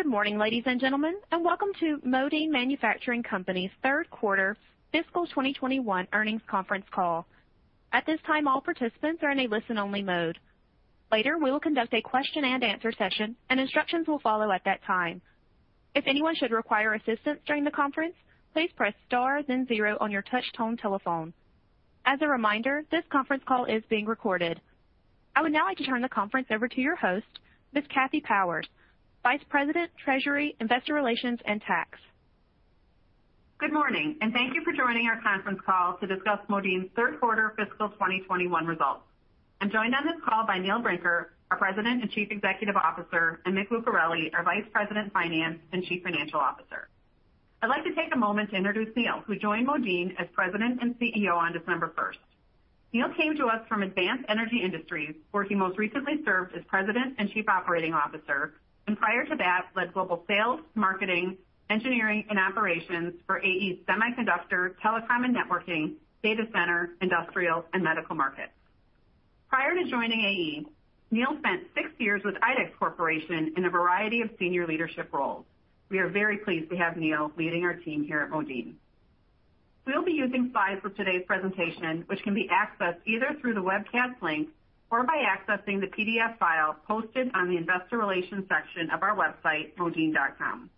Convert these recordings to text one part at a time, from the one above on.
Good morning, ladies and gentlemen, and welcome to Modine Manufacturing Company's third quarter fiscal 2021 earnings conference call. At this time, all participants are in a listen-only mode. Later, we will conduct a question and answer session, and instructions will follow at that time. As a reminder, this conference call is being recorded. I would now like to turn the conference over to your host, Ms. Kathy Powers, Vice President, Treasury, Investor Relations, and Tax. Good morning, and thank you for joining our conference call to discuss Modine's third quarter fiscal 2021 results. I am joined on this call by Neil Brinker, our President and Chief Executive Officer, and Mick Lucareli, our Vice President of Finance and Chief Financial Officer. I would like to take a moment to introduce Neil, who joined Modine as President and CEO on December 1st. Neil came to us from Advanced Energy Industries, where he most recently served as President and Chief Operating Officer, and prior to that, led global sales, marketing, engineering, and operations for AE Semiconductor, Telecom and Networking, Data Center, Industrial, and Medical Markets. Prior to joining AE, Neil spent six years with IDEX Corporation in a variety of senior leadership roles. We are very pleased to have Neil leading our team here at Modine. We'll be using slides for today's presentation, which can be accessed either through the webcast link or by accessing the PDF file posted on the Investor Relations section of our website, modine.com.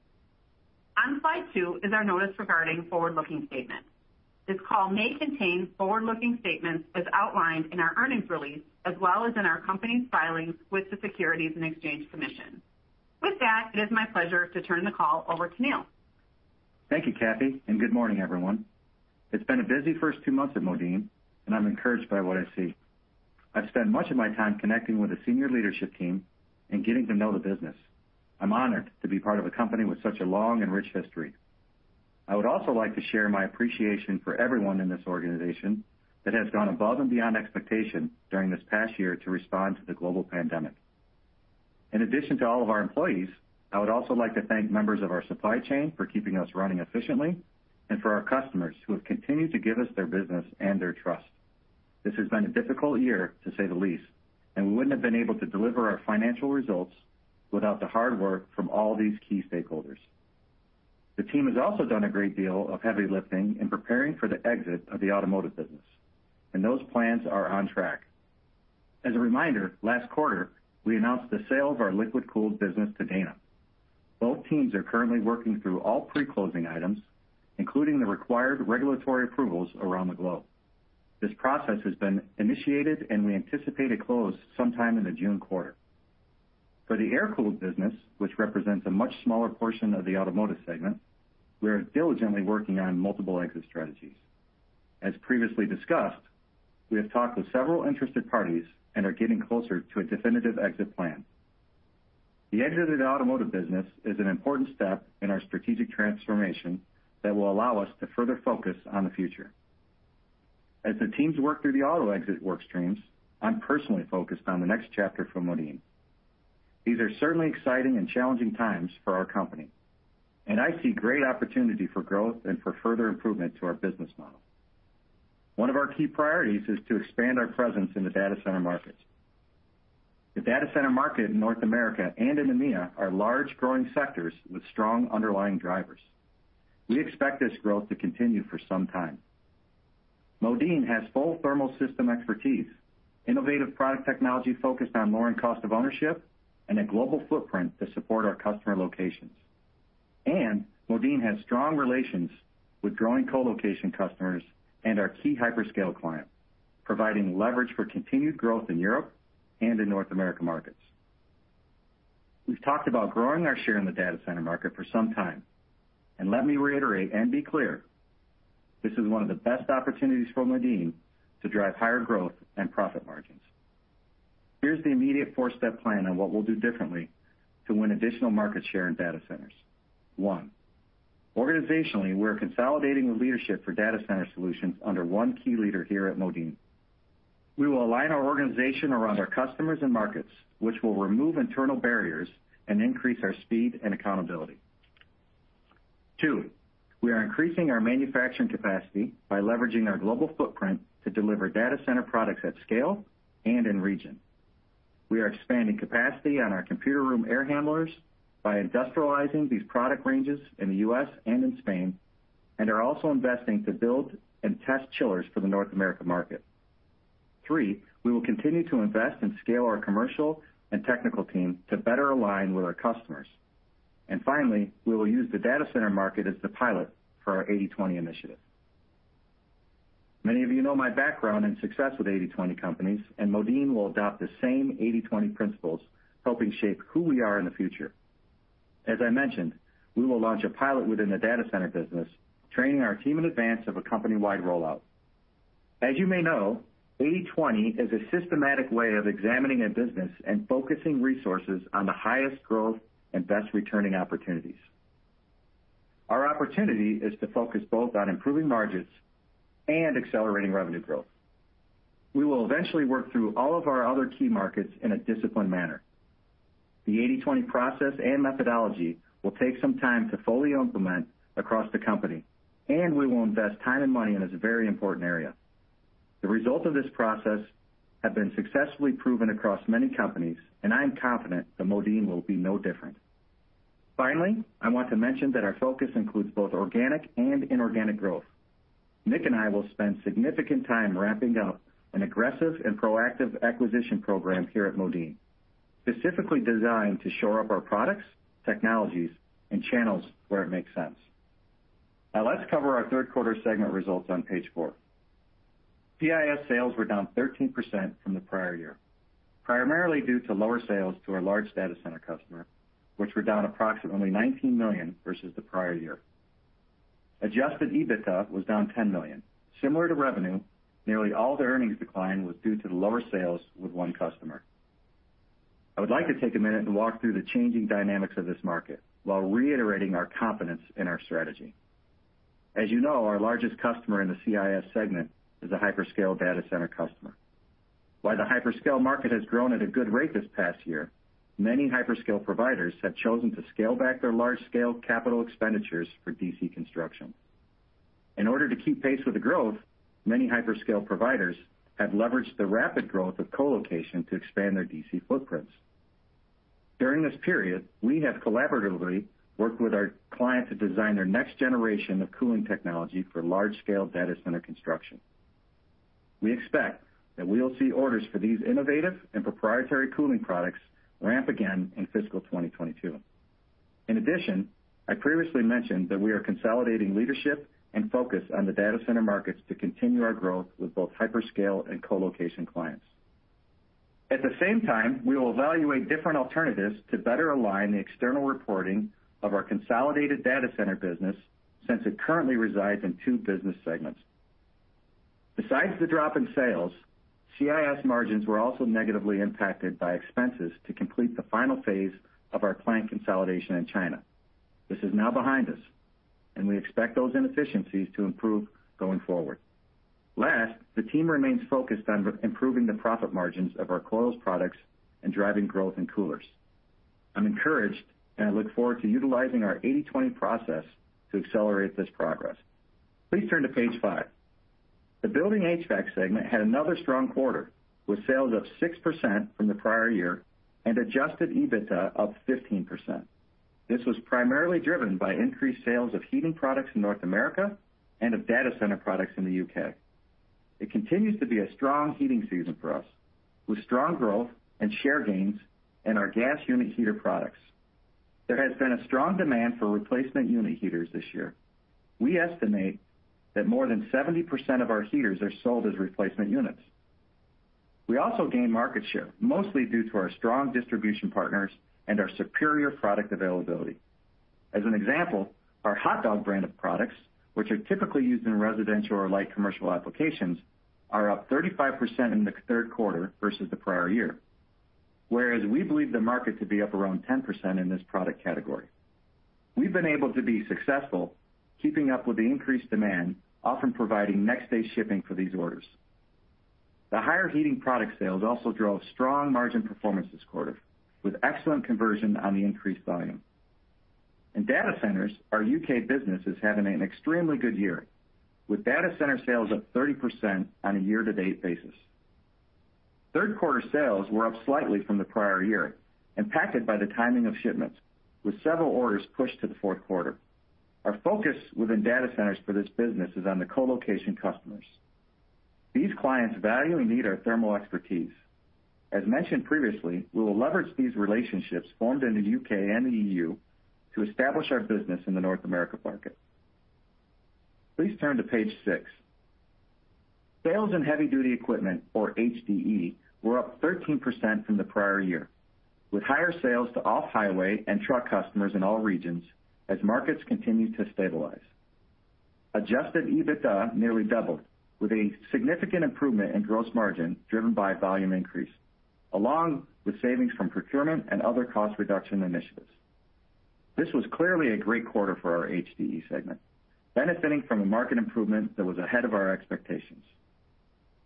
On slide two is our notice regarding forward-looking statements. This call may contain forward-looking statements as outlined in our earnings release, as well as in our company's filings with the Securities and Exchange Commission. With that, it is my pleasure to turn the call over to Neil. Thank you, Kathy, and good morning, everyone. It's been a busy first two months at Modine, and I'm encouraged by what I see. I've spent much of my time connecting with the senior leadership team and getting to know the business. I'm honored to be part of a company with such a long and rich history. I would also like to share my appreciation for everyone in this organization that has gone above and beyond expectation during this past year to respond to the global pandemic. In addition to all of our employees, I would also like to thank members of our supply chain for keeping us running efficiently and for our customers who have continued to give us their business and their trust. This has been a difficult year, to say the least, and we wouldn't have been able to deliver our financial results without the hard work from all these key stakeholders. The team has also done a great deal of heavy lifting in preparing for the exit of the automotive business, and those plans are on track. As a reminder, last quarter, we announced the sale of our liquid-cooled business to Dana. Both teams are currently working through all pre-closing items, including the required regulatory approvals around the globe. This process has been initiated, and we anticipate a close sometime in the June quarter. For the air-cooled business, which represents a much smaller portion of the Automotive segment, we are diligently working on multiple exit strategies. As previously discussed, we have talked with several interested parties and are getting closer to a definitive exit plan. The exit of the automotive business is an important step in our strategic transformation that will allow us to further focus on the future. As the teams work through the auto exit workstreams, I'm personally focused on the next chapter for Modine. These are certainly exciting and challenging times for our company, and I see great opportunity for growth and for further improvement to our business model. One of our key priorities is to expand our presence in the data center markets. The data center market in North America and in EMEA are large, growing sectors with strong underlying drivers. We expect this growth to continue for some time. Modine has full thermal system expertise, innovative product technology focused on lowering cost of ownership, and a global footprint to support our customer locations. Modine has strong relations with growing co-location customers and our key hyperscale client, providing leverage for continued growth in Europe and in North America markets. We've talked about growing our share in the data center market for some time, and let me reiterate and be clear, this is one of the best opportunities for Modine to drive higher growth and profit margins. Here's the immediate four-step plan on what we'll do differently to win additional market share in data centers. One, organizationally, we're consolidating the leadership for data center solutions under one key leader here at Modine. We will align our organization around our customers and markets, which will remove internal barriers and increase our speed and accountability. Two, we are increasing our manufacturing capacity by leveraging our global footprint to deliver data center products at scale and in region. We are expanding capacity on our computer room air handlers by industrializing these product ranges in the U.S. and in Spain, and are also investing to build and test chillers for the North America market. Three, we will continue to invest and scale our commercial and technical team to better align with our customers. Finally, we will use the data center market as the pilot for our 80/20 initiative. Many of you know my background and success with 80/20 companies, and Modine will adopt the same 80/20 principles, helping shape who we are in the future. As I mentioned, we will launch a pilot within the data center business, training our team in advance of a company-wide rollout. As you may know, 80/20 is a systematic way of examining a business and focusing resources on the highest growth and best returning opportunities. Our opportunity is to focus both on improving margins and accelerating revenue growth. We will eventually work through all of our other key markets in a disciplined manner. The 80/20 process and methodology will take some time to fully implement across the company, and we will invest time and money in this very important area. The results of this process have been successfully proven across many companies, and I am confident that Modine will be no different. I want to mention that our focus includes both organic and inorganic growth. Mick and I will spend significant time ramping up an aggressive and proactive acquisition program here at Modine, specifically designed to shore up our products, technologies, and channels where it makes sense. Let's cover our third quarter segment results on page four. CIS sales were down 13% from the prior year, primarily due to lower sales to our large data center customer, which were down approximately $19 million versus the prior year. Adjusted EBITDA was down $10 million. Similar to revenue, nearly all the earnings decline was due to the lower sales with one customer. I would like to take a minute and walk through the changing dynamics of this market while reiterating our confidence in our strategy. As you know, our largest customer in the CIS segment is a hyperscale data center customer. While the hyperscale market has grown at a good rate this past year, many hyperscale providers have chosen to scale back their large-scale capital expenditures for DC construction. In order to keep pace with the growth, many hyperscale providers have leveraged the rapid growth of colocation to expand their DC footprints. During this period, we have collaboratively worked with our client to design their next generation of cooling technology for large-scale data center construction. We expect that we will see orders for these innovative and proprietary cooling products ramp again in fiscal 2022. In addition, I previously mentioned that we are consolidating leadership and focus on the data center markets to continue our growth with both hyperscale and colocation clients. At the same time, we will evaluate different alternatives to better align the external reporting of our consolidated data center business, since it currently resides in two business segments. Besides the drop in sales, CIS margins were also negatively impacted by expenses to complete the final phase of our plant consolidation in China. This is now behind us, and we expect those inefficiencies to improve going forward. Last, the team remains focused on improving the profit margins of our coils products and driving growth in coolers. I'm encouraged, and I look forward to utilizing our 80/20 process to accelerate this progress. Please turn to page five. The Building HVAC segment had another strong quarter, with sales up 6% from the prior year and adjusted EBITDA up 15%. This was primarily driven by increased sales of heating products in North America and of data center products in the U.K. It continues to be a strong heating season for us, with strong growth and share gains in our gas unit heater products. There has been a strong demand for replacement unit heaters this year. We estimate that more than 70% of our heaters are sold as replacement units. We also gained market share, mostly due to our strong distribution partners and our superior product availability. As an example, our Hot Dawg brand of products, which are typically used in residential or light commercial applications, are up 35% in the third quarter versus the prior year, whereas we believe the market to be up around 10% in this product category. We've been able to be successful, keeping up with the increased demand, often providing next-day shipping for these orders. The higher heating product sales also drove strong margin performance this quarter, with excellent conversion on the increased volume. In data centers, our U.K. business is having an extremely good year, with data center sales up 30% on a year-to-date basis. Third-quarter sales were up slightly from the prior year, impacted by the timing of shipments, with several orders pushed to the fourth quarter. Our focus within data centers for this business is on the colocation customers. These clients value and need our thermal expertise. As mentioned previously, we will leverage these relationships formed in the U.K. and the EU to establish our business in the North America market. Please turn to page six. Sales in Heavy-Duty Equipment, or HDE, were up 13% from the prior year, with higher sales to off-highway and truck customers in all regions as markets continue to stabilize. Adjusted EBITDA nearly doubled, with a significant improvement in gross margin driven by volume increase, along with savings from procurement and other cost reduction initiatives. This was clearly a great quarter for our HDE segment, benefiting from a market improvement that was ahead of our expectations.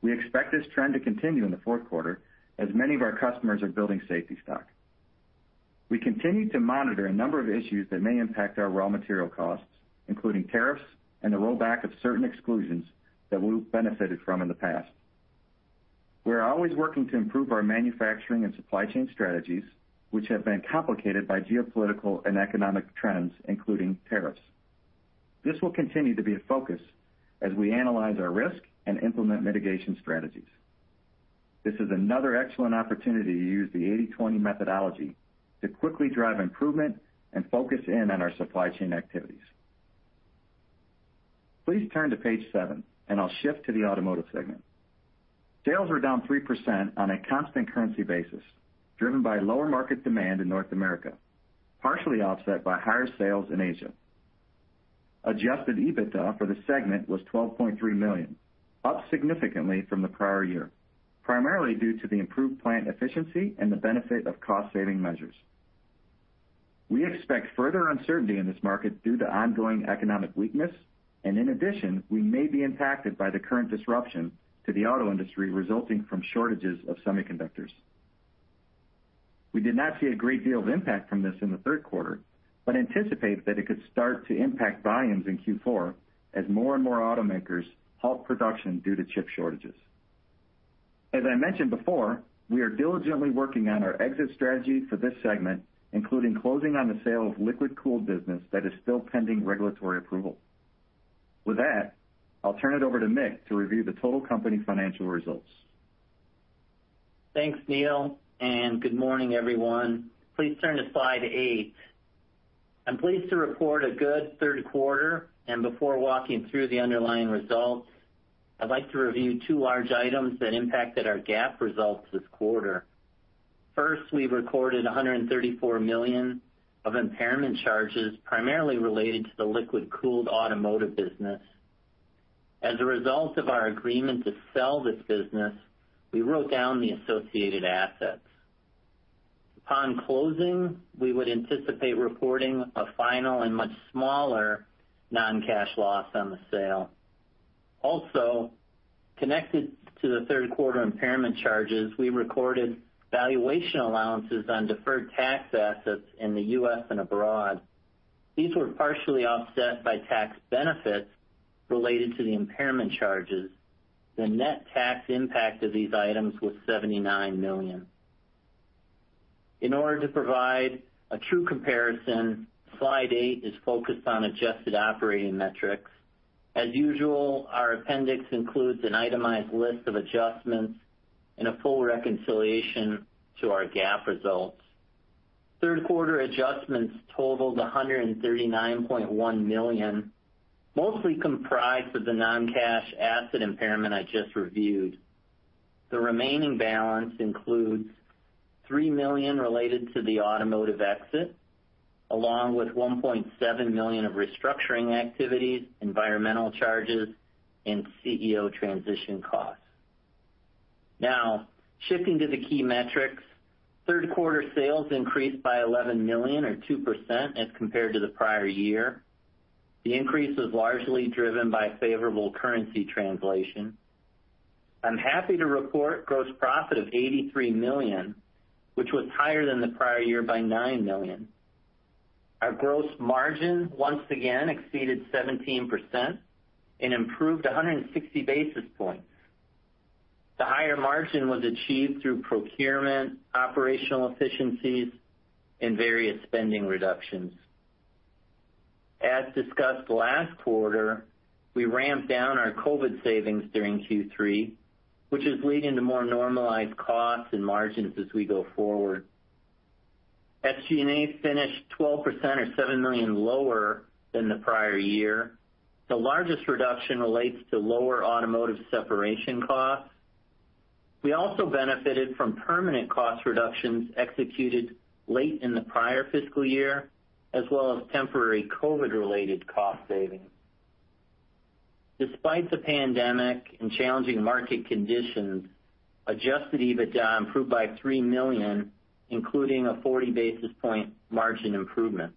We expect this trend to continue in the fourth quarter, as many of our customers are building safety stock. We continue to monitor a number of issues that may impact our raw material costs, including tariffs and the rollback of certain exclusions that we've benefited from in the past. We are always working to improve our manufacturing and supply chain strategies, which have been complicated by geopolitical and economic trends, including tariffs. This will continue to be a focus as we analyze our risk and implement mitigation strategies. This is another excellent opportunity to use the 80/20 methodology to quickly drive improvement and focus in on our supply chain activities. Please turn to page seven, and I'll shift to the Automotive segment. Sales were down 3% on a constant currency basis, driven by lower market demand in North America, partially offset by higher sales in Asia. Adjusted EBITDA for the segment was $12.3 million, up significantly from the prior year, primarily due to the improved plant efficiency and the benefit of cost-saving measures. We expect further uncertainty in this market due to ongoing economic weakness, and in addition, we may be impacted by the current disruption to the auto industry resulting from shortages of semiconductors. We did not see a great deal of impact from this in the third quarter, but anticipate that it could start to impact volumes in Q4 as more and more automakers halt production due to chip shortages. As I mentioned before, we are diligently working on our exit strategy for this segment, including closing on the sale of liquid-cooled business that is still pending regulatory approval. With that, I'll turn it over to Mick to review the total company financial results. Thanks, Neil, and good morning, everyone. Please turn to slide eight. I'm pleased to report a good third quarter, and before walking through the underlying results, I'd like to review two large items that impacted our GAAP results this quarter. First, we recorded $134 million of impairment charges, primarily related to the liquid-cooled automotive business. As a result of our agreement to sell this business, we wrote down the associated assets. Upon closing, we would anticipate reporting a final and much smaller non-cash loss on the sale. Also, connected to the third quarter impairment charges, we recorded valuation allowances on deferred tax assets in the U.S. and abroad. These were partially offset by tax benefits related to the impairment charges. The net tax impact of these items was $79 million. In order to provide a true comparison, slide eight is focused on adjusted operating metrics. As usual, our appendix includes an itemized list of adjustments and a full reconciliation to our GAAP results. Third quarter adjustments totaled $139.1 million, mostly comprised of the non-cash asset impairment I just reviewed. The remaining balance includes $3 million related to the automotive exit, along with $1.7 million of restructuring activities, environmental charges, and CEO transition costs. Now, shifting to the key metrics. Third quarter sales increased by $11 million, or 2%, as compared to the prior year. The increase was largely driven by favorable currency translation. I'm happy to report gross profit of $83 million, which was higher than the prior year by $9 million. Our gross margin once again exceeded 17% and improved 160 basis points. The higher margin was achieved through procurement, operational efficiencies, and various spending reductions. As discussed last quarter, we ramped down our COVID savings during Q3, which is leading to more normalized costs and margins as we go forward. SG&A finished 12%, or $7 million, lower than the prior year. The largest reduction relates to lower automotive separation costs. We also benefited from permanent cost reductions executed late in the prior fiscal year, as well as temporary COVID related cost savings. Despite the pandemic and challenging market conditions, adjusted EBITDA improved by $3 million, including a 40 basis point margin improvement.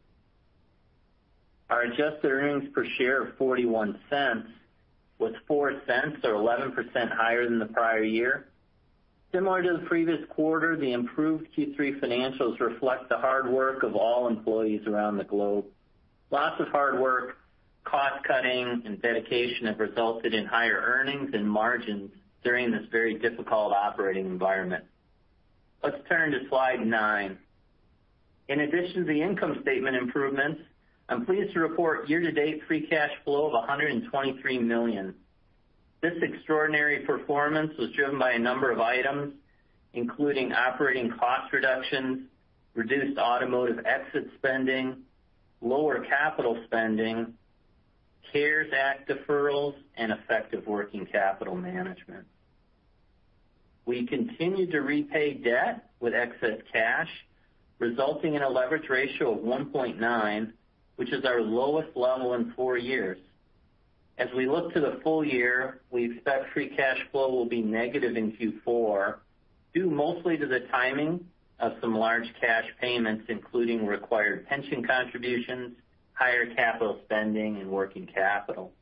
Our adjusted earnings per share of $0.41 was $0.04, or 11%, higher than the prior year. Similar to the previous quarter, the improved Q3 financials reflect the hard work of all employees around the globe. Lots of hard work, cost-cutting, and dedication have resulted in higher earnings and margins during this very difficult operating environment. Let's turn to slide nine. In addition to the income statement improvements, I'm pleased to report year-to-date free cash flow of $123 million. This extraordinary performance was driven by a number of items, including operating cost reductions, reduced automotive exit spending, lower capital spending, CARES Act deferrals, and effective working capital management. We continue to repay debt with excess cash, resulting in a leverage ratio of 1.9, which is our lowest level in four years. As we look to the full year, we expect free cash flow will be negative in Q4, due mostly to the timing of some large cash payments, including required pension contributions, higher capital spending, and working capital.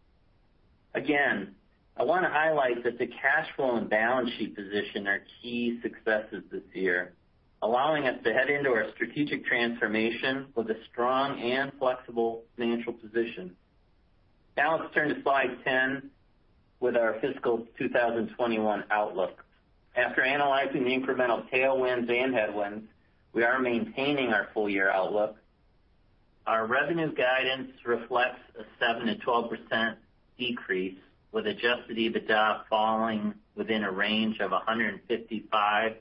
I want to highlight that the cash flow and balance sheet position are key successes this year, allowing us to head into our strategic transformation with a strong and flexible financial position. Now let's turn to slide 10 with our fiscal 2021 outlook. After analyzing the incremental tailwinds and headwinds, we are maintaining our full year outlook. Our revenue guidance reflects a 7%-12% decrease, with adjusted EBITDA falling within a range of $155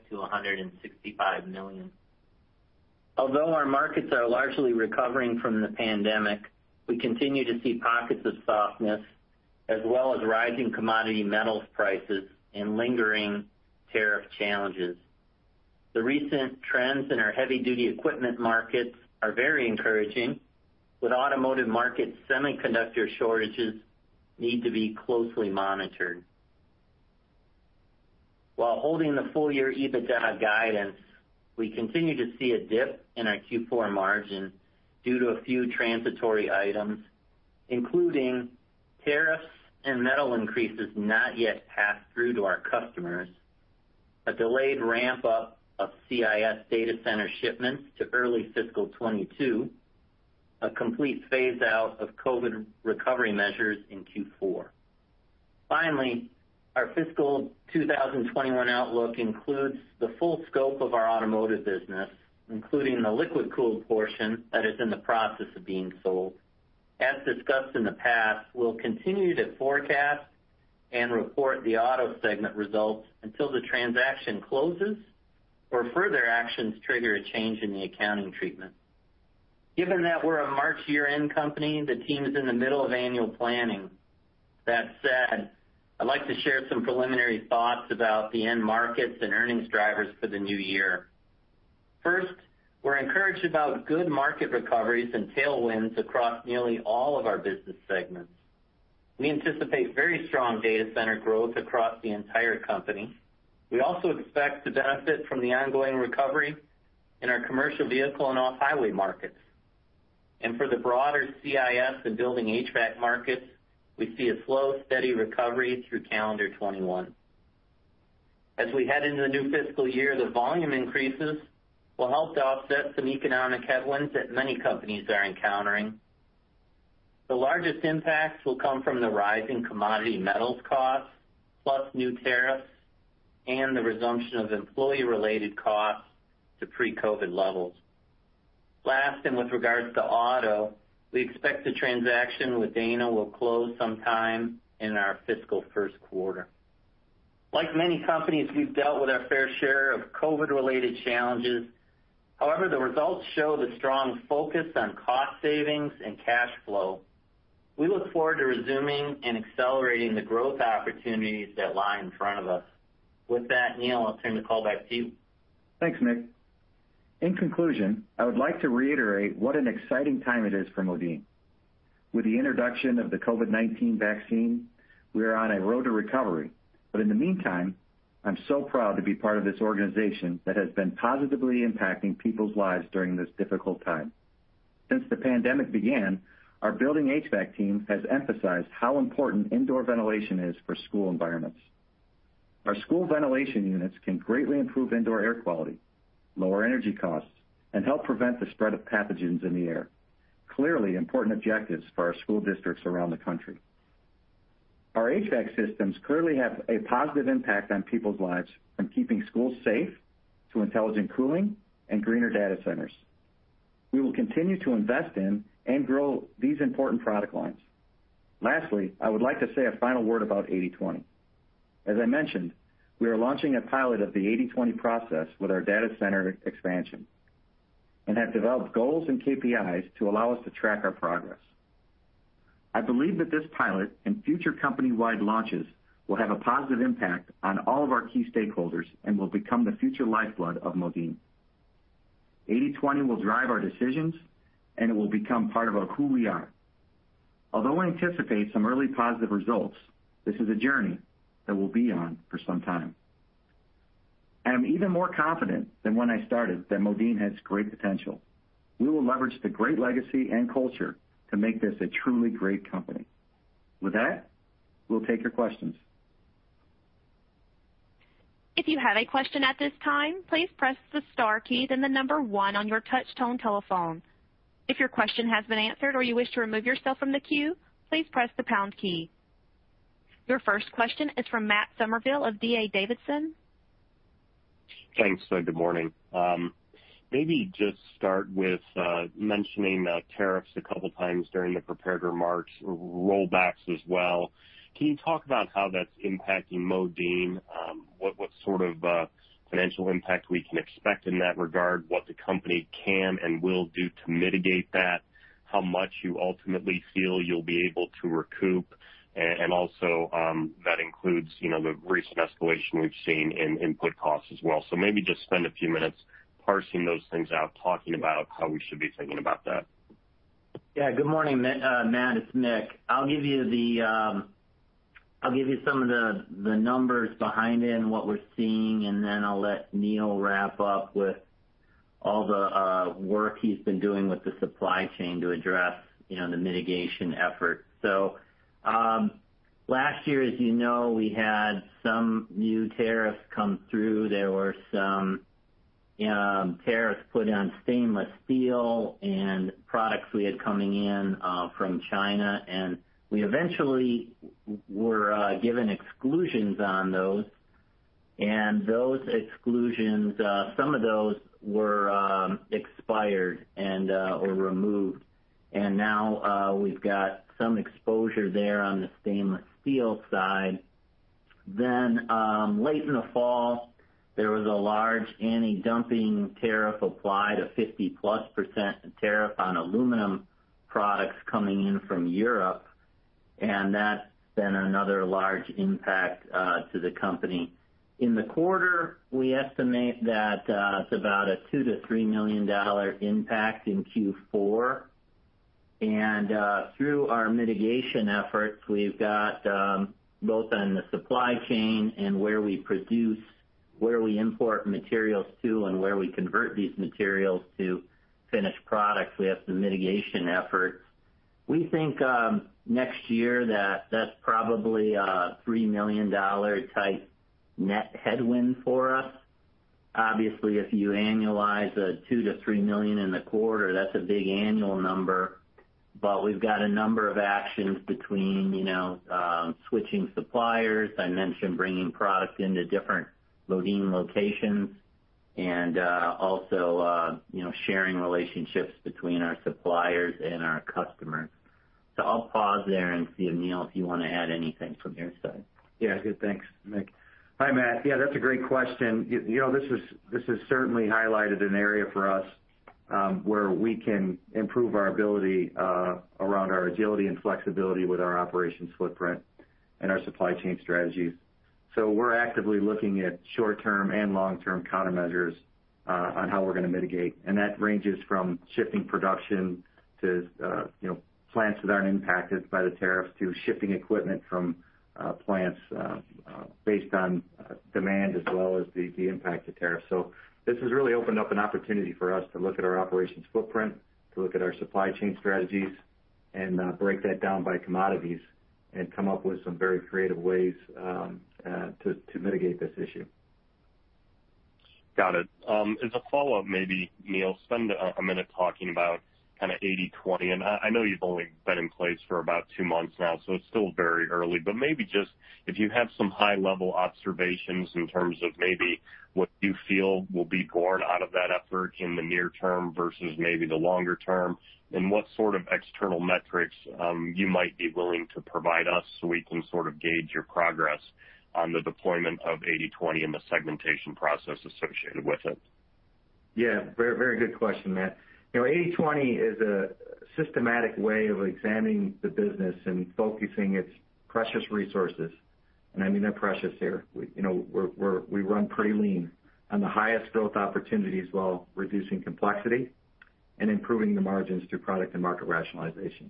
million-$165 million. Although our markets are largely recovering from the pandemic, we continue to see pockets of softness, as well as rising commodity metals prices and lingering tariff challenges. The recent trends in our heavy-duty equipment markets are very encouraging. With automotive market semiconductor shortages need to be closely monitored. While holding the full year EBITDA guidance, we continue to see a dip in our Q4 margin due to a few transitory items, including tariffs and metal increases not yet passed through to our customers, a delayed ramp-up of CIS data center shipments to early fiscal 2022, a complete phase-out of COVID recovery measures in Q4. Our fiscal 2021 outlook includes the full scope of our automotive business, including the liquid-cooled portion that is in the process of being sold. As discussed in the past, we'll continue to forecast and report the auto segment results until the transaction closes or further actions trigger a change in the accounting treatment. Given that we're a March year-end company, the team is in the middle of annual planning. That said, I'd like to share some preliminary thoughts about the end markets and earnings drivers for the new year. We're encouraged about good market recoveries and tailwinds across nearly all of our business segments. We anticipate very strong data center growth across the entire company. We also expect to benefit from the ongoing recovery in our commercial vehicle and off-highway markets. For the broader CIS and Building HVAC markets, we see a slow, steady recovery through calendar 2021. As we head into the new fiscal year, the volume increases will help to offset some economic headwinds that many companies are encountering. The largest impacts will come from the rising commodity metals costs, plus new tariffs, and the resumption of employee-related costs to pre-COVID levels. Last, with regards to auto, we expect the transaction with Dana will close sometime in our fiscal first quarter. Like many companies, we've dealt with our fair share of COVID-related challenges. However, the results show the strong focus on cost savings and cash flow. We look forward to resuming and accelerating the growth opportunities that lie in front of us. With that, Neil, I'll turn the call back to you. Thanks, Mick. In conclusion, I would like to reiterate what an exciting time it is for Modine. With the introduction of the COVID-19 vaccine, we are on a road to recovery. In the meantime, I'm so proud to be part of this organization that has been positively impacting people's lives during this difficult time. Since the pandemic began, our Building HVAC team has emphasized how important indoor ventilation is for school environments. Our school ventilation units can greatly improve indoor air quality, lower energy costs, and help prevent the spread of pathogens in the air. Clearly important objectives for our school districts around the country. Our HVAC systems clearly have a positive impact on people's lives, from keeping schools safe to intelligent cooling and greener data centers. We will continue to invest in and grow these important product lines. Lastly, I would like to say a final word about 80/20. As I mentioned, we are launching a pilot of the 80/20 process with our data center expansion and have developed goals and KPIs to allow us to track our progress. I believe that this pilot and future company-wide launches will have a positive impact on all of our key stakeholders and will become the future lifeblood of Modine. 80/20 will drive our decisions. It will become part of our who we are. Although we anticipate some early positive results, this is a journey that we'll be on for some time. I'm even more confident than when I started that Modine has great potential. We will leverage the great legacy and culture to make this a truly great company. With that, we'll take your questions. If you have a question at this time, please press the star key, then the number one on your touch-tone telephone. If your question has been answered or you wish to remove yourself from the queue, please press the pound key. Your first question is from Matt Summerville of D.A. Davidson. Thanks. Good morning. Maybe just start with mentioning tariffs a couple times during the prepared remarks, rollbacks as well. Can you talk about how that's impacting Modine? What sort of financial impact we can expect in that regard, what the company can and will do to mitigate that, how much you ultimately feel you'll be able to recoup? Also, that includes the recent escalation we've seen in input costs as well. Maybe just spend a few minutes parsing those things out, talking about how we should be thinking about that. Good morning, Matt. It's Mick. I'll give you some of the numbers behind it and what we're seeing, and then I'll let Neil wrap up with all the work he's been doing with the supply chain to address the mitigation effort. Last year, as you know, we had some new tariffs come through. There were some tariffs put on stainless steel and products we had coming in from China, and we eventually were given exclusions on those. Those exclusions, some of those were expired or removed. Now we've got some exposure there on the stainless steel side. Late in the fall, there was a large anti-dumping tariff applied, a 50%+ tariff on aluminum products coming in from Europe, and that's been another large impact to the company. In the quarter, we estimate that it's about a $2 million-$3 million impact in Q4. Through our mitigation efforts, we've got both on the supply chain and where we import materials to and where we convert these materials to finished products, we have some mitigation efforts. We think, next year, that's probably a $3 million type net headwind for us. Obviously, if you annualize the $2 million-$3 million in the quarter, that's a big annual number. We've got a number of actions between switching suppliers, I mentioned bringing product into different Modine locations, and also sharing relationships between our suppliers and our customers. I'll pause there and see, Neil, if you want to add anything from your side. Good. Thanks, Mick. Hi, Matt. That's a great question. This has certainly highlighted an area for us, where we can improve our ability around our agility and flexibility with our operations footprint and our supply chain strategies. We're actively looking at short-term and long-term countermeasures on how we're going to mitigate. That ranges from shifting production to plants that aren't impacted by the tariffs to shifting equipment from plants based on demand as well as the impact of tariffs. This has really opened up an opportunity for us to look at our operations footprint, to look at our supply chain strategies, and break that down by commodities and come up with some very creative ways to mitigate this issue. Got it. As a follow-up maybe, Neil, spend a minute talking about kind of 80/20. I know you've only been in place for about two months now, so it's still very early. Maybe just if you have some high-level observations in terms of maybe what you feel will be born out of that effort in the near term versus maybe the longer term, and what sort of external metrics you might be willing to provide us so we can sort of gauge your progress on the deployment of 80/20 and the segmentation process associated with it. Yeah. Very good question, Matt. 80/20 is a systematic way of examining the business and focusing its precious resources. I mean they're precious here. We run pretty lean on the highest growth opportunities while reducing complexity and improving the margins through product and market rationalization.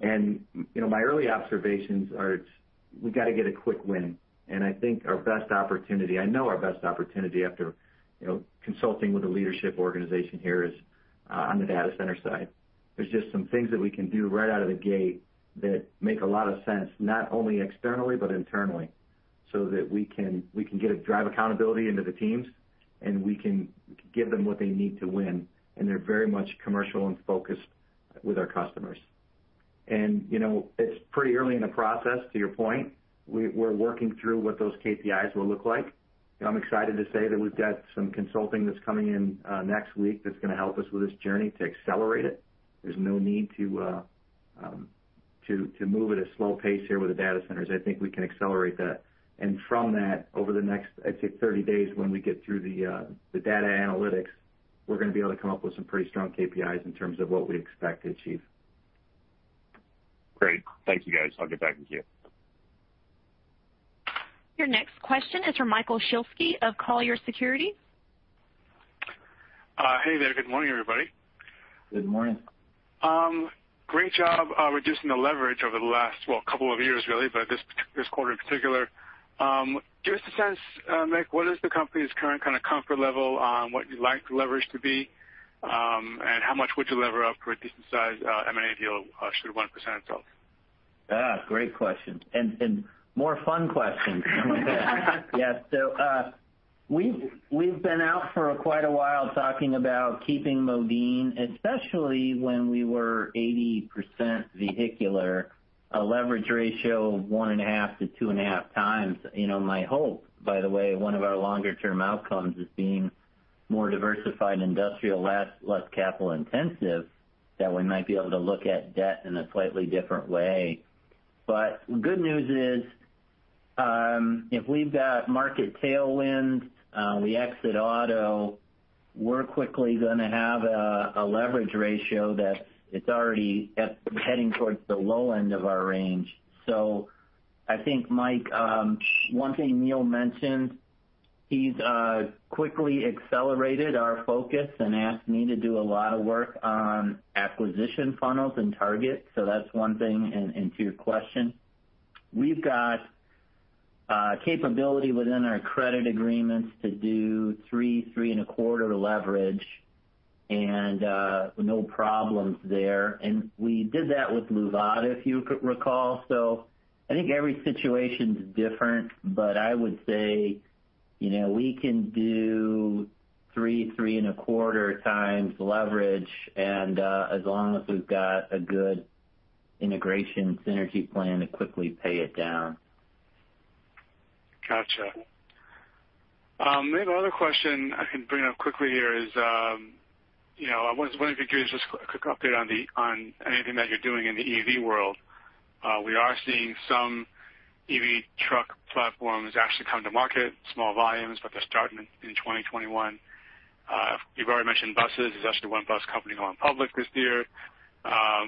My early observations are we got to get a quick win. I think our best opportunity, I know our best opportunity after consulting with the leadership organization here is on the data center side. There's just some things that we can do right out of the gate that make a lot of sense, not only externally, but internally, so that we can get a drive accountability into the teams, and we can give them what they need to win, and they're very much commercial and focused with our customers. It's pretty early in the process, to your point. We're working through what those KPIs will look like. I'm excited to say that we've got some consulting that's coming in next week that's going to help us with this journey to accelerate it. There's no need to move at a slow pace here with the data centers. I think we can accelerate that. From that, over the next, I'd say 30 days, when we get through the data analytics, we're going to be able to come up with some pretty strong KPIs in terms of what we expect to achieve. Great. Thank you, guys. I'll get back with you. Your next question is from Michael Shlisky of Colliers Securities. Hey there. Good morning, everybody. Good morning. Great job on reducing the leverage over the last, well, couple of years really, but this quarter in particular. Give us a sense, Mick, what is the company's current kind of comfort level on what you'd like the leverage to be? How much would you lever up for a decent size M&A deal should one present itself? Great question. More fun question. Yeah. We've been out for quite a while talking about keeping Modine, especially when we were 80% vehicular, a leverage ratio of 1.5x-2.5x. My hope, by the way, one of our longer-term outcomes is being more diversified industrial, less capital-intensive, that we might be able to look at debt in a slightly different way. The good news is, if we've got market tailwinds, we exit auto, we're quickly going to have a leverage ratio that it's already heading towards the low end of our range. I think, Mike, one thing Neil mentioned, he's quickly accelerated our focus and asked me to do a lot of work on acquisition funnels and targets. That's one thing. To your question, we've got capability within our credit agreements to do three and a quarter leverage, no problems there. We did that with Luvata, if you could recall. I think every situation's different, but I would say we can do 3x-3.25x leverage as long as we've got a good integration synergy plan to quickly pay it down. Got you. Another question I can bring up quickly here is, I was wondering if you could give us just a quick update on anything that you're doing in the EV world. We are seeing some EV truck platforms actually come to market, small volumes, but they're starting in 2021. You've already mentioned buses. There's actually one bus company going public this year. At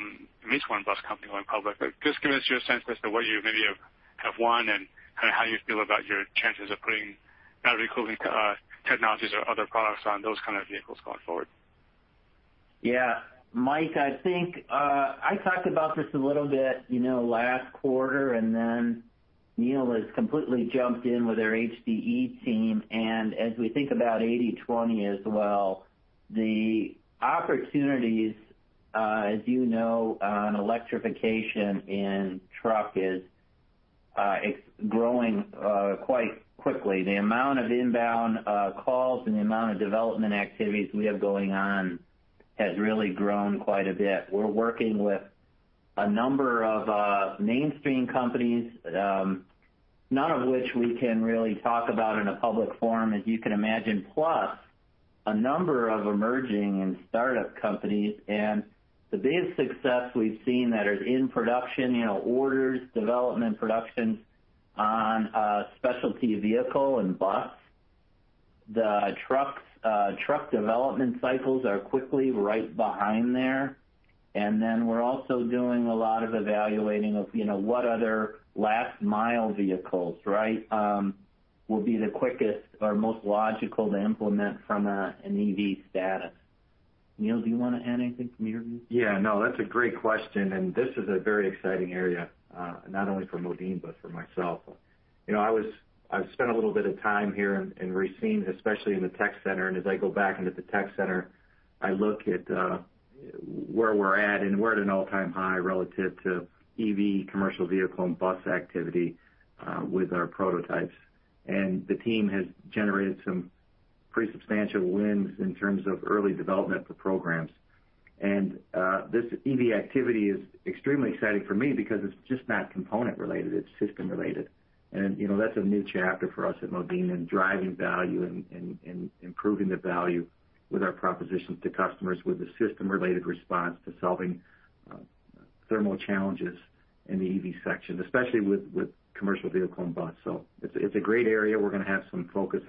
least one bus company going public. Just give us your sense as to what you maybe have won and kind of how you feel about your chances of putting battery cooling technologies or other products on those kind of vehicles going forward. Yeah. Mike, I think I talked about this a little bit last quarter, then Neil has completely jumped in with our HDE team. As we think about 80/20 as well, the opportunities, you know, on electrification in truck is growing quite quickly. The amount of inbound calls and the amount of development activities we have going on has really grown quite a bit. We're working with a number of mainstream companies, none of which we can really talk about in a public forum, as you can imagine, plus a number of emerging and startup companies. The biggest success we've seen that are in production, orders, development, production on specialty vehicle and bus. The truck development cycles are quickly right behind there. We're also doing a lot of evaluating of what other last mile vehicles, right, will be the quickest or most logical to implement from an EV status. Neil, do you want to add anything from your view? Yeah, no, that's a great question, and this is a very exciting area, not only for Modine, but for myself. I've spent a little bit of time here in Racine, especially in the tech center. As I go back into the tech center, I look at where we're at, and we're at an all-time high relative to EV commercial vehicle and bus activity with our prototypes. The team has generated some pretty substantial wins in terms of early development for programs. This EV activity is extremely exciting for me because it's just not component related, it's system related. That's a new chapter for us at Modine in driving value and improving the value with our propositions to customers with a system related response to solving thermal challenges in the EV section, especially with commercial vehicle and bus. It's a great area. We're going to have some focus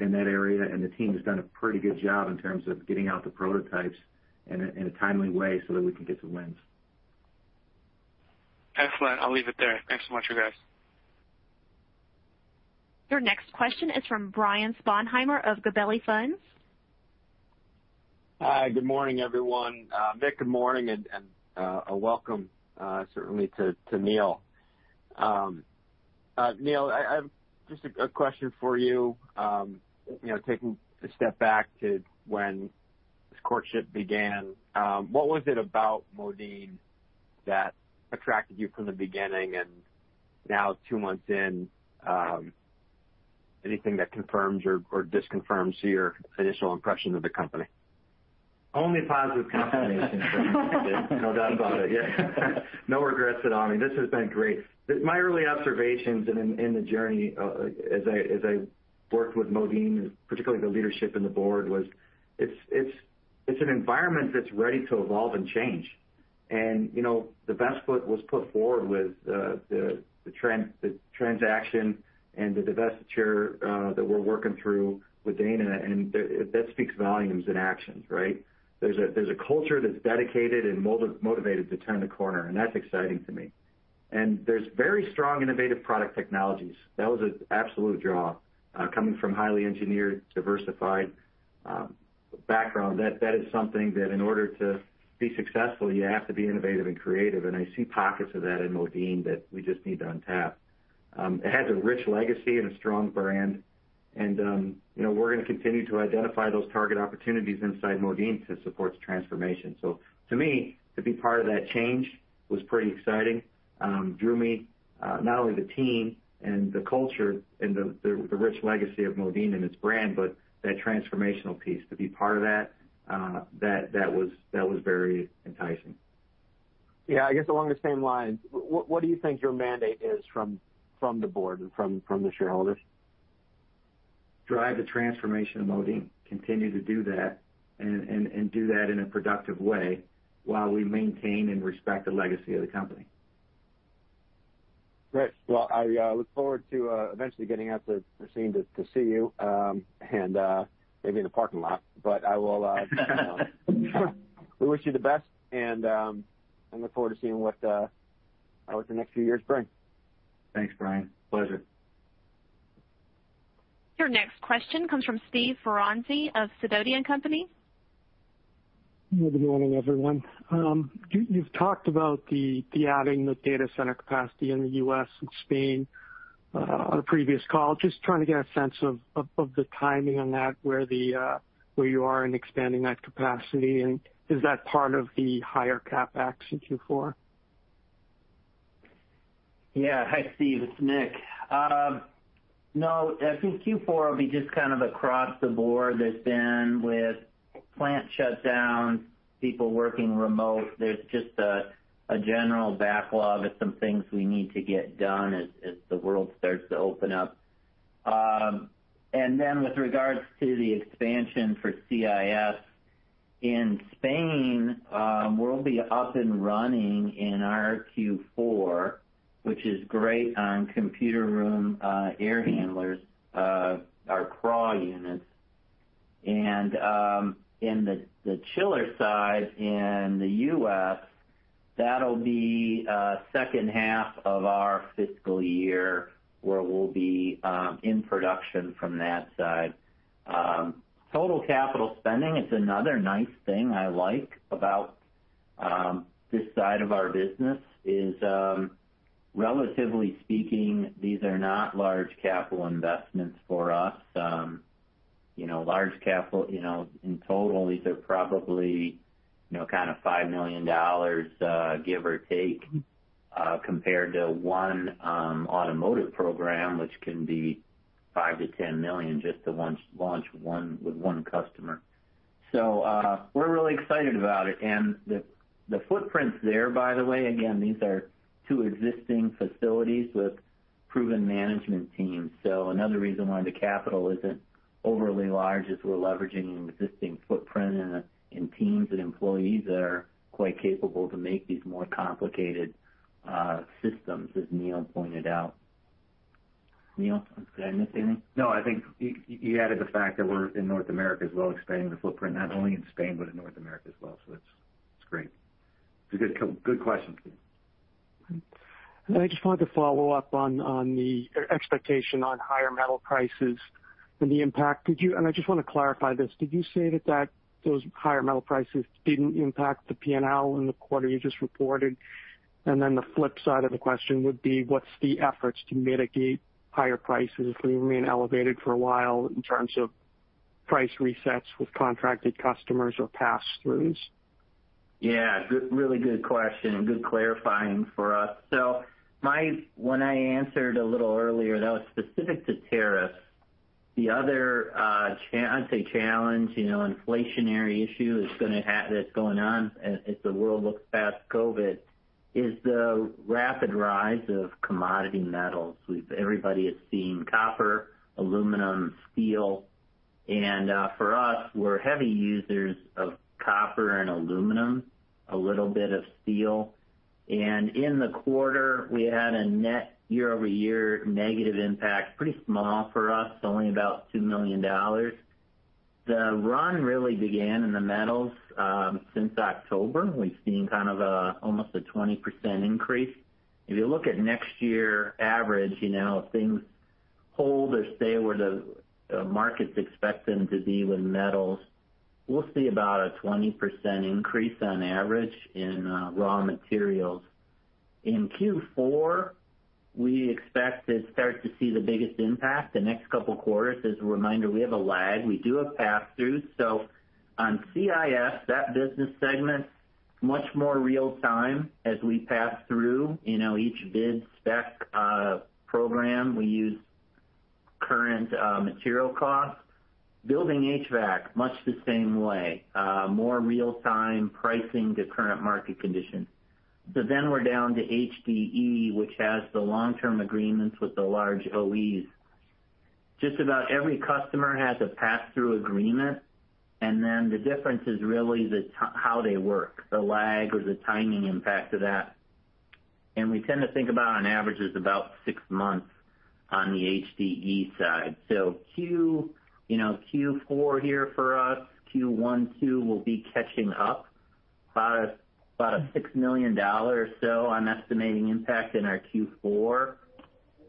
in that area, and the team has done a pretty good job in terms of getting out the prototypes in a timely way so that we can get some wins. Excellent. I'll leave it there. Thanks so much, you guys. Your next question is from Brian Sponheimer of Gabelli Funds. Hi. Good morning, everyone. Mick, good morning and welcome, certainly to Neil. Neil, I have just a question for you. Taking a step back to when this courtship began, what was it about Modine that attracted you from the beginning, and now two months in, anything that confirms or disconfirms your initial impression of the company? Only positive confirmation for me. Yeah. No doubt about it. Yeah. No regrets at all. I mean, this has been great. My early observations in the journey as I worked with Modine, particularly the leadership and the board, was it's an environment that's ready to evolve and change. The best foot was put forward with the transaction and the divestiture that we're working through with Dana, and that speaks volumes in actions, right? There's a culture that's dedicated and motivated to turn the corner, and that's exciting to me. There's very strong, innovative product technologies. That was an absolute draw. Coming from highly engineered, diversified background, that is something that in order to be successful, you have to be innovative and creative, and I see pockets of that in Modine that we just need to untap. It has a rich legacy and a strong brand, and we're going to continue to identify those target opportunities inside Modine to support the transformation. To me, to be part of that change was pretty exciting. Drew me, not only the team and the culture and the rich legacy of Modine and its brand, but that transformational piece. To be part of that was very enticing. Yeah. I guess along the same lines, what do you think your mandate is from the board and from the shareholders? Drive the transformation of Modine, continue to do that, and do that in a productive way while we maintain and respect the legacy of the company. Great. Well, I look forward to eventually getting out to Racine to see you, and maybe in the parking lot. We wish you the best, and I look forward to seeing what the next few years bring. Thanks, Brian. Pleasure. Your next question comes from Steve Ferazani of Sidoti & Company. Good morning, everyone. You've talked about adding the data center capacity in the U.S. and Spain on a previous call. Just trying to get a sense of the timing on that, where you are in expanding that capacity, and is that part of the higher CapEx in Q4? Yeah. Hi, Steve. It's Mick. No, I think Q4 will be just kind of across the board as in with plant shutdowns, people working remote. There's just a general backlog of some things we need to get done as the world starts to open up. With regards to the expansion for CIS in Spain, we'll be up and running in our Q4, which is great on computer room air handlers, our CRAH units. In the chiller side in the U.S. That'll be second half of our fiscal year where we'll be in production from that side. Total capital spending, it's another nice thing I like about this side of our business is, relatively speaking, these are not large capital investments for us. Large capital, in total, these are probably kind of $5 million, give or take, compared to one automotive program, which can be $5 million-$10 million just to launch with one customer. We're really excited about it. The footprint's there, by the way. Again, these are two existing facilities with proven management teams. Another reason why the capital isn't overly large is we're leveraging an existing footprint and teams and employees that are quite capable to make these more complicated systems, as Neil pointed out. Neil, did I miss anything? I think you added the fact that we're in North America as well, expanding the footprint, not only in Spain but in North America as well. That's great. It's a good question. I just wanted to follow up on the expectation on higher metal prices and the impact. I just want to clarify this. Did you say that those higher metal prices didn't impact the P&L in the quarter you just reported? The flip side of the question would be, what's the efforts to mitigate higher prices if they remain elevated for a while in terms of price resets with contracted customers or pass-throughs? Yeah, really good question. Good clarifying for us. When I answered a little earlier, that was specific to tariffs. The other, I'd say challenge, inflationary issue that's going on as the world looks past COVID-19, is the rapid rise of commodity metals. Everybody has seen copper, aluminum, steel. For us, we're heavy users of copper and aluminum, a little bit of steel. In the quarter, we had a net year-over-year negative impact, pretty small for us, only about $2 million. The run really began in the metals since October. We've seen kind of almost a 20% increase. If you look at next year average, if things hold or stay where the markets expect them to be with metals, we'll see about a 20% increase on average in raw materials. In Q4, we expect to start to see the biggest impact the next couple quarters. As a reminder, we have a lag. We do have pass-throughs. On CIS, that business segment, much more real time as we pass through each bid spec program. We use current material costs. Building HVAC, much the same way. More real-time pricing to current market conditions. We're down to HDE, which has the long-term agreements with the large OEs. Just about every customer has a pass-through agreement, and then the difference is really how they work, the lag or the timing impact of that. We tend to think about on average is about six months on the HDE side. Q4 here for us, Q1, Q2 will be catching up about a $6 million or so I'm estimating impact in our Q4.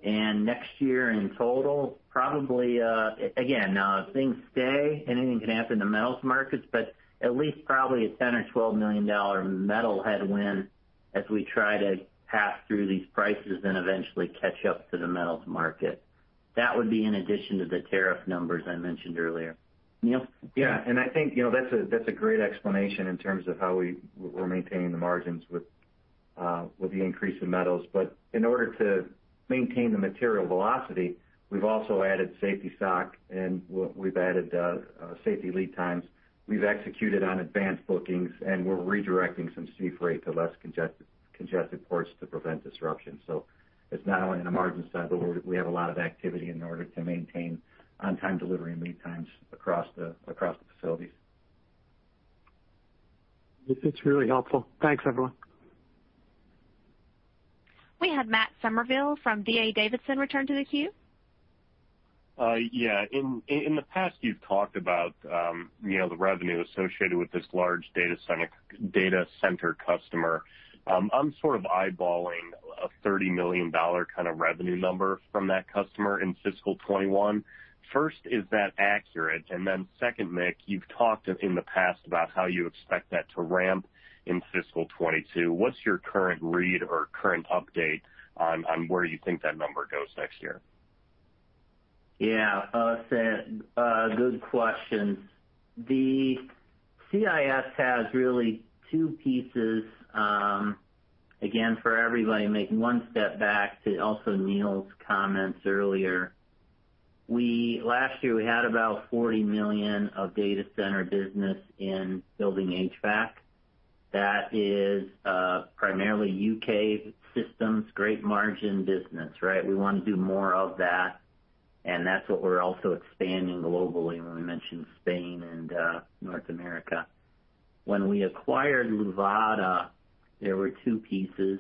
Next year in total, probably, again, if things stay, anything can happen in the metals markets, but at least probably a $10 million or $12 million metal headwind as we try to pass through these prices and eventually catch up to the metals market. That would be in addition to the tariff numbers I mentioned earlier. Neil? Yeah. I think that's a great explanation in terms of how we're maintaining the margins with the increase in metals. In order to maintain the material velocity, we've also added safety stock and we've added safety lead times. We've executed on advanced bookings, and we're redirecting some sea freight to less congested ports to prevent disruption. It's not only on the margin side, but we have a lot of activity in order to maintain on-time delivery and lead times across the facilities. It's really helpful. Thanks, everyone. We have Matt Summerville from D.A. Davidson returned to the queue. Yeah. In the past, you've talked about the revenue associated with this large data center customer. I'm sort of eyeballing a $30 million kind of revenue number from that customer in fiscal 2021. First, is that accurate? Second, Mick, you've talked in the past about how you expect that to ramp in fiscal 2022. What's your current read or current update on where you think that number goes next year? Yeah. Good questions. The CIS has really two pieces. Again, for everybody, making one step back to also Neil's comments earlier. Last year, we had about $40 million of data center business in Building HVAC. That is primarily U.K. systems, great margin business, right? We want to do more of that. That's what we're also expanding globally when we mention Spain and North America. When we acquired Luvata, there were two pieces.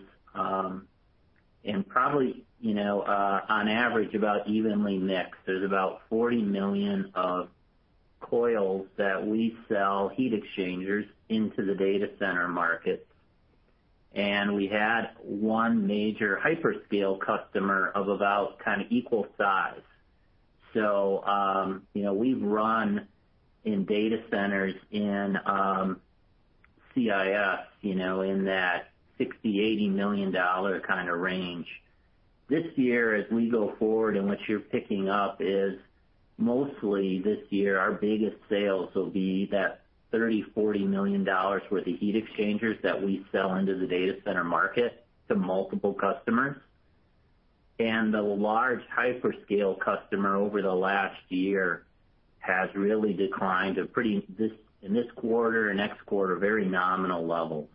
Probably, on average, about evenly mixed. There's about $40 million of coils that we sell, heat exchangers, into the data center market. We had one major hyperscale customer of about equal size. We run in data centers in CIS, in that $60 million-$80 million range. This year, as we go forward, and what you're picking up is mostly this year, our biggest sales will be that $30 million, $40 million worth of heat exchangers that we sell into the data center market to multiple customers. The large hyperscale customer over the last year has really declined In this quarter and next quarter, very nominal levels.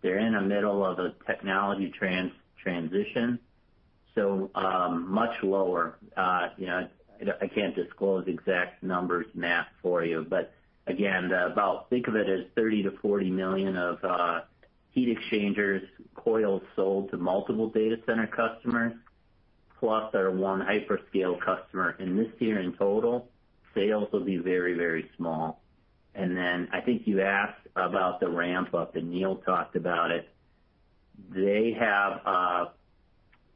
They're in the middle of a technology transition, so much lower. I can't disclose exact numbers, Matt, for you. Again, think of it as $30 million-$40 million of heat exchangers, coils sold to multiple data center customers, plus our one hyperscale customer. This year in total, sales will be very small. Then I think you asked about the ramp-up, and Neil talked about it.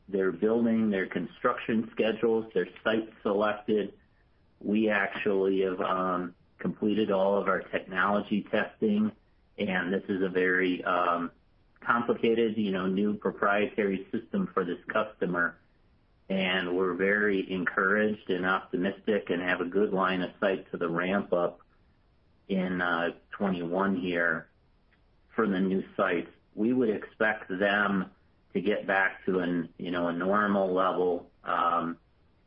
They're building their construction schedules. Their site's selected. We actually have completed all of our technology testing, and this is a very complicated, new proprietary system for this customer. We're very encouraged and optimistic and have a good line of sight to the ramp-up in 2021 here for the new sites. We would expect them to get back to a normal level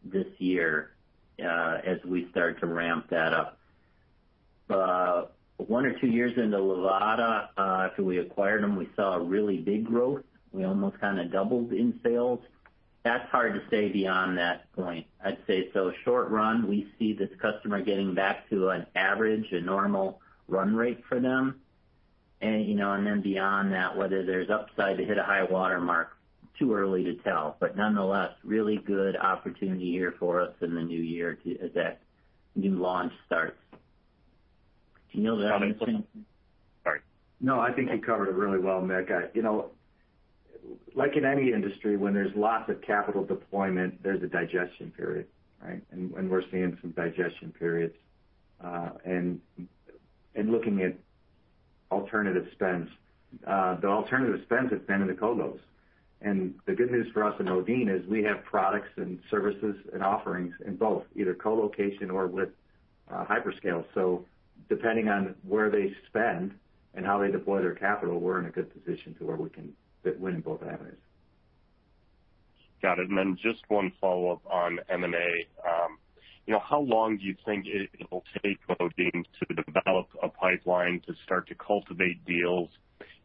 this year as we start to ramp that up. One or two years into Luvata, after we acquired them, we saw a really big growth. We almost doubled in sales. That's hard to say beyond that point. I'd say short run, we see this customer getting back to an average, a normal run rate for them. Then beyond that, whether there's upside to hit a high-water mark, too early to tell, but nonetheless, really good opportunity here for us in the new year as that new launch starts. Neil, anything. Sounds good, sorry. No, I think you covered it really well, Mick. Like in any industry, when there's lots of capital deployment, there's a digestion period, right? We're seeing some digestion periods. The alternative spends have been in the colos. The good news for us in Modine is we have products and services and offerings in both, either colocation or with hyperscale. Depending on where they spend and how they deploy their capital, we're in a good position to where we can win in both avenues. Got it. Just one follow-up on M&A. How long do you think it will take Modine to develop a pipeline to start to cultivate deals?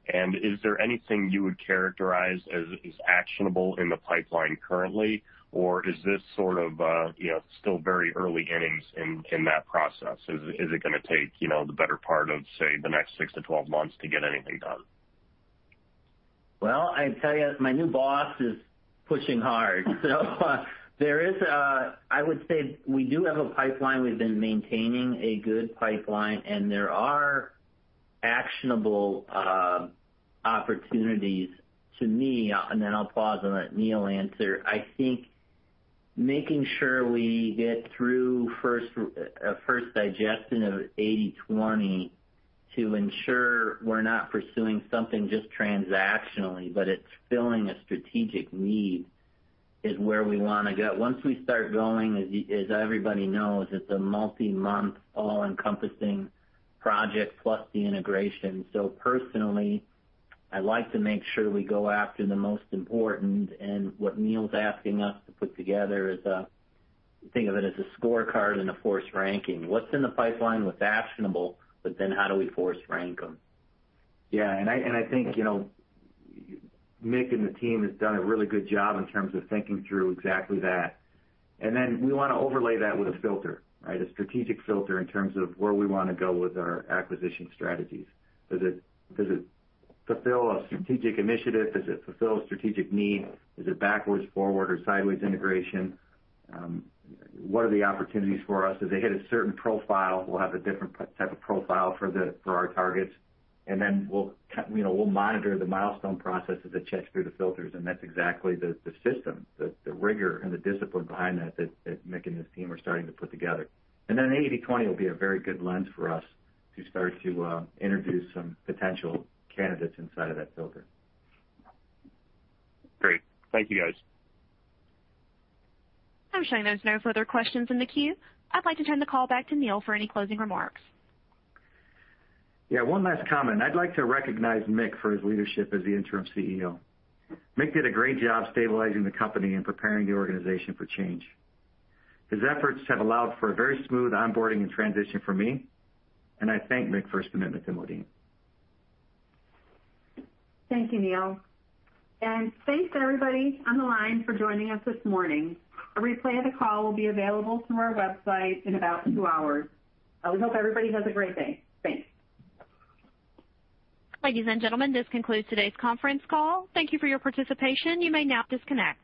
Is there anything you would characterize as actionable in the pipeline currently? Is this sort of still very early innings in that process? Is it going to take the better part of, say, the next 6-12 months to get anything done? Well, I tell you, my new boss is pushing hard. I would say we do have a pipeline. We've been maintaining a good pipeline, and there are actionable opportunities to me, and then I'll pause and let Neil answer. I think making sure we get through a first digestion of 80/20 to ensure we're not pursuing something just transactionally, but it's filling a strategic need, is where we want to go. Once we start going, as everybody knows, it's a multi-month, all-encompassing project, plus the integration. Personally, I like to make sure we go after the most important, and what Neil's asking us to put together is, think of it as a scorecard and a forced ranking. What's in the pipeline? What's actionable? How do we force rank them? I think Mick and the team has done a really good job in terms of thinking through exactly that. Then we want to overlay that with a filter, right? A strategic filter in terms of where we want to go with our acquisition strategies. Does it fulfill a strategic initiative? Does it fulfill a strategic need? Is it backwards, forward, or sideways integration? What are the opportunities for us? If they hit a certain profile, we'll have a different type of profile for our targets. Then we'll monitor the milestone process as it checks through the filters, and that's exactly the system, the rigor and the discipline behind that Mick and his team are starting to put together. Then 80/20 will be a very good lens for us to start to introduce some potential candidates inside of that filter. Great. Thank you, guys. I'm showing there's no further questions in the queue. I'd like to turn the call back to Neil for any closing remarks. Yeah, one last comment. I'd like to recognize Mick for his leadership as the interim CEO. Mick did a great job stabilizing the company and preparing the organization for change. His efforts have allowed for a very smooth onboarding and transition for me. I thank Mick for his commitment to Modine. Thank you, Neil. Thanks, everybody on the line, for joining us this morning. A replay of the call will be available from our website in about two hours. We hope everybody has a great day. Thanks. Ladies and gentlemen, this concludes today's conference call. Thank you for your participation. You may now disconnect.